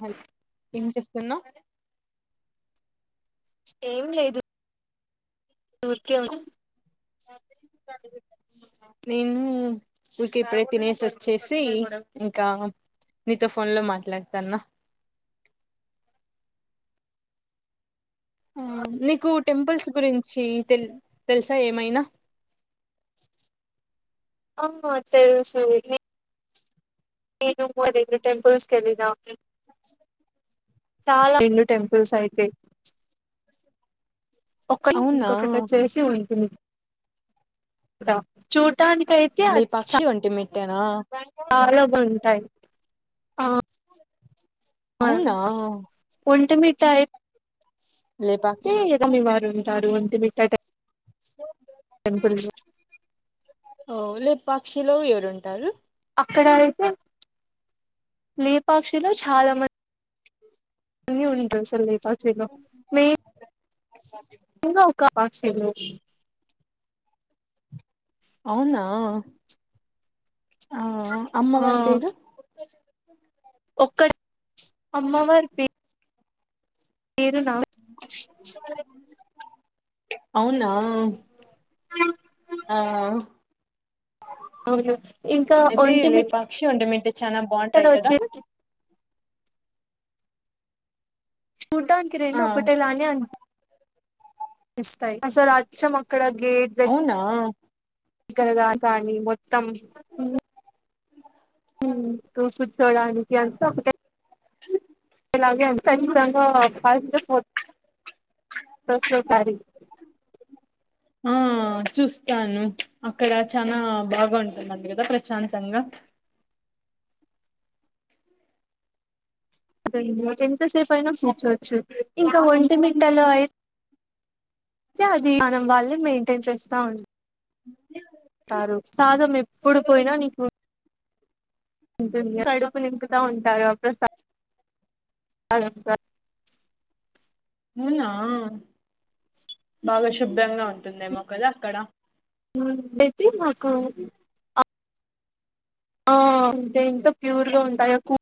హ ఏం చేస్తున్నాఉ ఏం లేదు ఊరికే ఉన్న నేనుఊక ఎప్పుడై తినేసి వచ్చేసి ఇంకా నీతో ఫోన్ లో మాట్లాడతాన్నా ఆ నీకు టెంపుల్స్ గురించి తెలి తెలుసా ఏమైనా అహా తెలుసు ఇది నేను కూడా రెండు టెంపుల్స్ కి ఏళ్ళినా చాలా ఇండు టెంపుల్స్ అయితే ఒక అవునా ఇంకొకటి చేసి ఉంటున్ డా చూ చట్టానికైతే అచ్చ ఇట్టేనా చాలా బాంటాయి ఆ ఆ అవునా ఒంటి మిఠాయి లేపాక్షి హే రనివరు ఉంటారు ఒంటి మిఠాయి టెంపుల్ ఓ లేపాక్షిలో ఎవరు ఉంటారు అక్కడ అయితే లేపాక్షిలో చాలా మన్ అన్ని ఉ [unintelligible] ఇంగా ఒక [unintelligible] అవునా ఆ అమ్మవారి పేరు ఉ ఒక్కడు అమ్మవారి పే పేరు నా అవునా ఆ అవును ఇంకా అయితే ఒంటిమిట్టలో లేపక్షి ఒంటి మిట్టి చానా బాగుంటాయి కదా వచ్చేసి చూడానికి రెండు ఆ ఒకటే లా అని ఇస్తాయి అస్సలు అచ్చము ఇక్కడ గేట్ ద అవునా ఇక్కడగతాని మొత్తం తూ కుచో డానికి అంత ఒకటే అలాగే అంశాంగా స్ తారి ఆ చూస్తాను అక్కడ చనా బాగాంటున్నా కదా ప్రశాంతంగా అదో ఎంతసేపు అయినా కూూర్చోవచ్చు ఇంకా ఒంటి మింటాలో అయితే అతే అది మనం వాళ్ళు మెయింటైన్ చేస్తా ఉ ఉ అంటారు సాదం ఎప్పుడు పోయినా నీకు దుని కడుపు నింపుతూ ఉంటారు ఆ ప్రసాదాం అర అవునా బాగా శుభ్రంగా ఉంటుందేమో కదా అక్కడ బజ మాకు దేంతో ప్యూర్గా ఉంటాయి కూ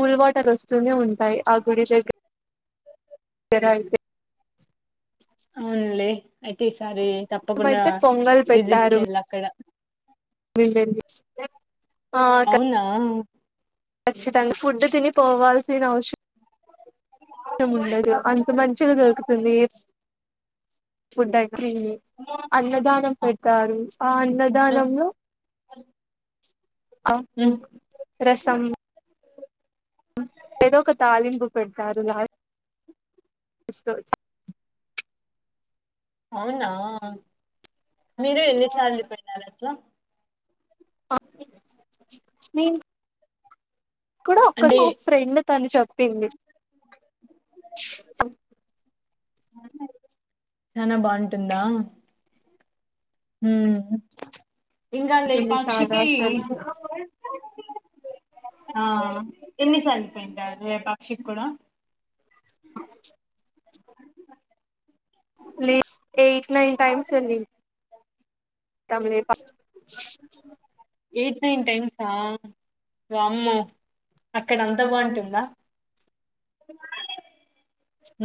కూల్ వాటర్ వస్తూనే ఉంటాయి ఆ గుడి దగ్గర అ అవునులే అయితే ఒక సారి తప్పకుండా అయితే పొంగల్ విజిట్ చేయాలి అక్కడ మీడి అవునా కచ్చితంగా ఫుడ్ అంత తిని పోవాల్సిన అవసరం ఉండదు అంత మంచిగా దొరుకుతుంది ఫుడ్ ఐ అన్నదానం ఆ, పెడతారు ఆ మొత్తం అన్నదానంలో అ ఉమ్, రసం ఏదో ఒక తాలింపు పెడతారు లాస్ట్ లో అవునా మీరు ఎన్నిసార్లు పెట్టారండి ట్లో నేన్ నేను కూడా ఒక అంటే ఫ్రెండు తను చెప్పింది చనా బావుంటుందా హుమ్మ్ ఇంకా చెప్పింది చాలా లేపాక్షికి అసలు ఆ ఎన్నిసార్లు పోయింటారు లేపాక్షికి కూడా ఎయిట్ నైన్ టైమ్స్ వెళ్లింటాం లేపాక్షి కి ఎయిట్ నైన్ టైమ్సా వామ్మో అక్కడ అంత బాగుంటుందా [inaudible]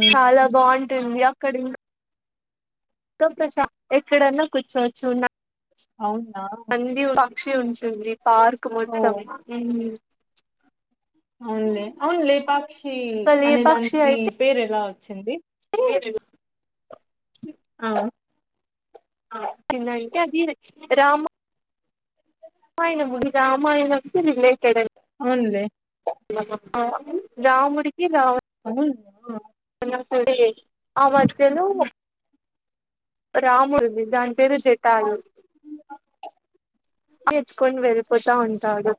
ఉమ్ చాలా బాగుంటుంది అక్ కడున మొత్తం ప్రశాన్ ఎక్కడన్నా కూర్చోచ్చు న అవునా శు ఉంటుంది పార్క్ ఓ మొత్తం హ్మ్ అవునులే అవును లేపాక్షి ఏ అనే పక్షి దానికి అయితే పేరు ఎలా వ వచ్చింది ఆ కిందైతే అది రామ రామాయణం ఉంది రామాయణం కు రిలేటెడ్ అది అవునులే రాముడికి అవునా రావణాసుడికి ఆ మధ్యలో రాముడు ఉంది దాని పేరు జటాలు ఏ ఎత్తుకొని వెళ్ళిపోతా ఉంటాడు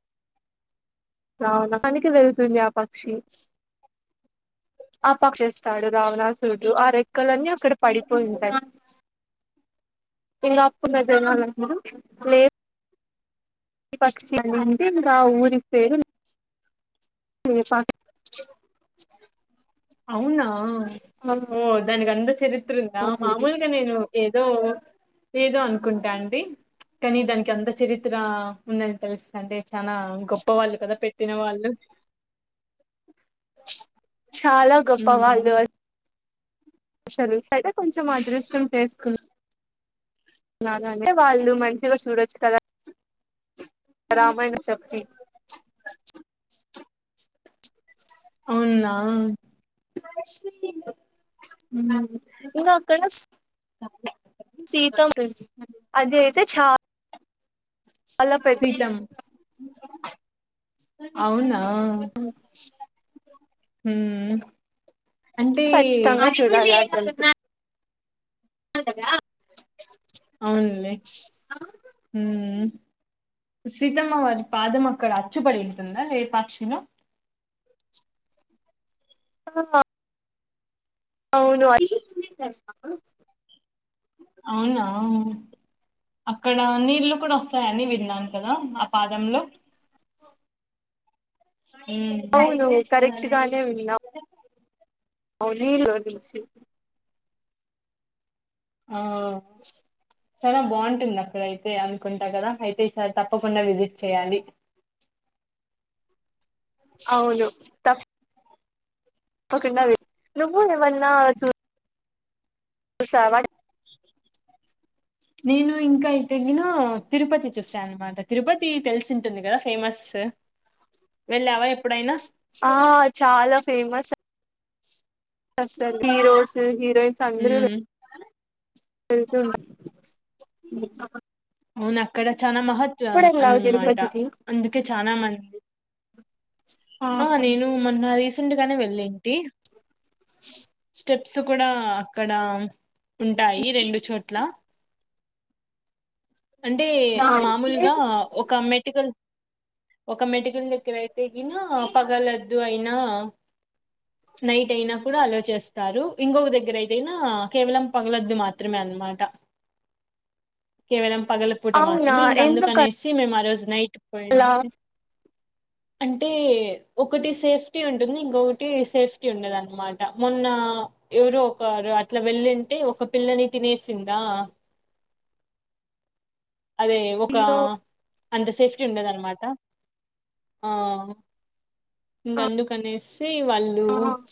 అవునా పనికి వెల్తుంది ఆ పక్షి ఆ పక్షి చేస్తాడు రామనాసురుడు ఆ రెక్కలన్నీ అక్కడ పడిపోయింటాయి [inaudible] పక్షి అ అంటడి ఆ ఊరికి పేరు అవునా ఓ దానికి అంత చరి క్రింద మామూలుగానేేను ఏదో ఏదో అనుకుంటా అండి కానీ దానికి అంత చరిత్ర ఉందని తెలుస్తు అండి చాలా గొప్ప వాళ్ళు కదా పెట్టిన వాళ్ళు చాలా గొప్ప వాళ్ళు ఉమ్, సలు కొంచెం అదృష్టం చేసుకున్నా అదంటే వాళ్ళు మంచిగా చూడొచ్చు కదా రామాయణ చెప్ప అవునా ఉ ఇకా అక్కడ సీత ఉ అదయితే అ చ శీతం అవునా అ హ్మ్మ్ కచ్చితంగాచూడాలి ంటద అవునులే. ఉమ్మ్ సీతమ్మ వారి పాదం అక్కడ అచ్చుపడి ఉంటుందా లేపాక్షిలో ఆ అవును అవునా అక్కడ నీళ్లు కూడా వస్తాయని విన్నాను కదా ఆ పాదంలో ఉమ్ అవును కరెక్ట్గానే విన్నా అవును నీళ్ళు ఆ చాలా బాగుంటుంది అక్కడ అయితే అనుకుంటా కదా అయితే ఈసారి తప్పకుండా విజిట్ చేయాలి అవును తప్పు ఒకవ నువ్వు నిమన్నా చూ చూసావా నేను ఇంకా ఎం తరిగిన తిరుపతి చూసాను అనమాట తిరుపతి తెలిసి ఉంటుంది కదా ఫేమస్ వెళ్ళావా ఎప్పుడైనా ఆ చాలా ఫేమస్ స్ స హీరోస్ హీరోయిన్స్ అందరూ ఉమ్ వెళ్తుండాలి అవును అక్కడ చనా ఎప్పుడు మహత్వం వెళ్ళావు అన్నమాట తిరుపతికి అందుకే చనా మంది ఆ నేను మొన్న రీసెంట్ నే వెళ్ళేంటి స్టెప్స్ కూడా అక్కడ ఉంటాయి రెండు చోట్ల అంటే మామూలుగా ఒక మెటికల్ ఒక మెటుకు ఎయితే ఎగిన పగలద్దు అయి నైట్ అయినా కూడా హలోచేస్తారు ఇంకొక దగ్గర అయితే హ కేవలం పగలద్దు మాత త్రిమ్ అన్మాట కేవలం పగల పూట అవునా మాత్రమే ఇంకా ఎందుకు అందుకనేసి మేమారోజు తునై అలా పొయ్యింది అంటే ఒకటి సేఫ్టీ ఉంటుంది, ఇంకొకటి సేఫ్టీ ఉండదన్న్మాట మొన్న ఎవరు ఒకరు అట్ల వెళ్ళుంటే ఒక పిల్లని తినేసిందా! అదే ఒక అయ్యో అంత సేఫ్టీ ఉండదన్మాట ఆ ఆ ఇంకందుకనేస్ వాళ్ళు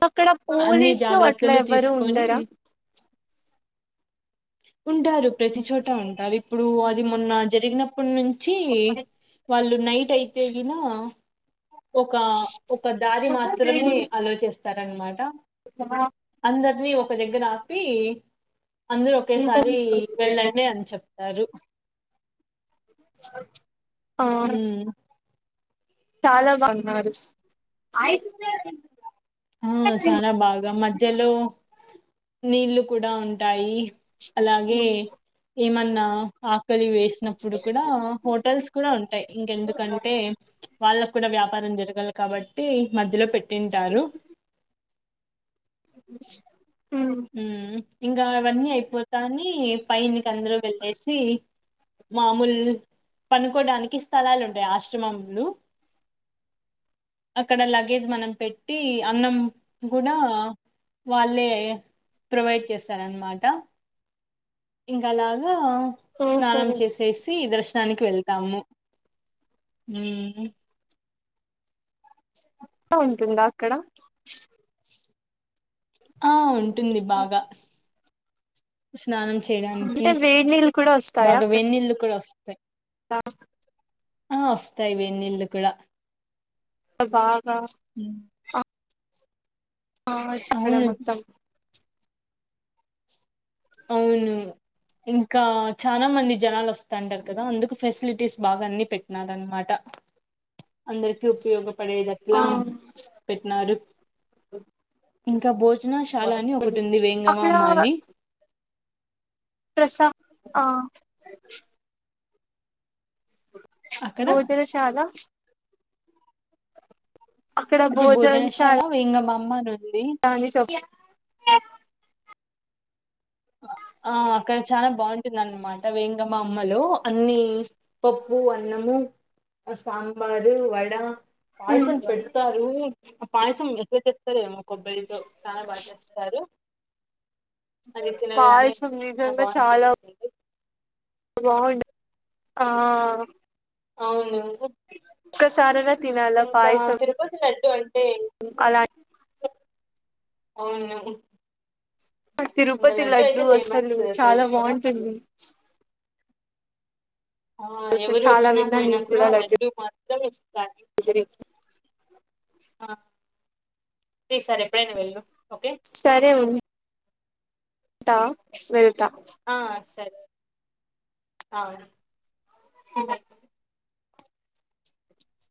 అక్కడ అన్ని పోలీసులు అట్లా జాగ్రత్తలు ఎవ్వరు తీస్కోని ఉండరా ఉంటారు ప్రతి చోటా ఉంటారిప్ ప్పుడు అది మొన్న జరిగినప్పుడు నుం చ్చి వాళ్ళు నైట్ అయితే వినా ఒక ఒక దారి మాత్రమే అలోచిస్ తరన్మాట అ అందర్ని ఒక దగ్గర ఆపి అందరూ ఒకేసారి వెళ్ళండి అని చెప్ అరు స మ్మ్ చాలా బాగున్నారు ఆ చాలా బాగా మధ్యలో నీళ్ళు కూడా ఉంటాయి అలాగే ఏమన్ నాహ క్కలి వేసినప్పుడు కూడా హోటల్స్ కూడా ఉంటాయి ఇంకెందుకంటే వాళ్ళక్కూడా వ్యాప్ పరంజరగల కాబట్ టి మధ్యలో పెట్టింటారు ఉమ్. మ్మ్ ఇంగ అవన్నీ అయిపోతాని పైనికి అందురు వెళ్ళేసి మాముల్ పనుకోడానికి స్థలాలుంటాయి ఆశ్రమంలు అక్కడ లగేజ్ మనం పెట్టి అన్నం గుడా వాళ్ళే ప్రొవైడ్ చేస్తారన్మాట ఇంగలాగా అ ఓహో స్నానం ఎలా చేసేసి దర్శ్ దానికి వెళ్తాము. బావుటుందా అక్కడ ఆ ఉంటుంది బాగా స్నానం చేయడానికి అంటే వేడి నీళ్ళు కూడా బాగా వెన్నీళ్ళు కూడా వస్తాయి. టాస్ ఆ ఒస్తాయి వెన్నీళ్ళు కూడా త బాగా బ మ్మ్. అ ఆ చక్కడ అవును మొత్తం అవును ఇంకా చాలా మంది జనాలు వస్తాంటారు కదా అందుకు ఫెసిలిటీస్ బాగా అన్ని పెట్టినార్ అనమాట అందరికి ఉపయోగపడేది అట్లా ఆ పెట్టినారు ఇంకా బోజ జనాశాల అని ఒకటి ఉంది అక్కడ వేంగబామ్మ అని ప్రసా ఆ అక్కడ భోజనశాల అది భోజనశాల వెంగమామ్మ [unintelligible] ఆ అక్కడ చాలా బాగుంటుంది అన్నమాట వేంగబామ్మలో అన్ని పప్పు అన్నము సాంబారు వడ పాయసం పెడతారు. ఆ పాయసం రుతె తేత్తలే కొబ్బరితో చాలా బాగా చేస్తారు. అది తిన గానే పాయసం చాలా బాగునిపిస్తుంది బాగుంటద్ ఆ అవునవు ఒక్కసారే ర్ ఇంకా తిరుపతి లడ్ డ్డుఅంటే అలాంటి అవును ఆ ఇంకా తిరుపతి అయితే లడ్డు ఫేమస్ అసలు చాలా తెలుసు కదా బాగుంటుంది. ఆ తెలుసు ఎవరు చాలా వచ్చినా విన్నాను పోయినా నేను కూడా లడ్డు లడ్డూ మా దవేస్ రాక్యూ గురించి ఆ ఈ సారి ఎప్పుడైనా వెళు ఓకే టా ఫేర్ ఆ సరే అవును [unintelligible]